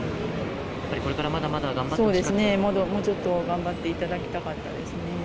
やっぱりこれからまだまだ頑そうですね、もうちょっと頑張っていただきたかったですね。